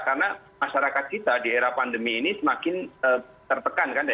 karena masyarakat kita di era pandemi ini semakin tertekan kan